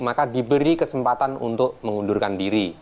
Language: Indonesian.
maka diberi kesempatan untuk mengundurkan diri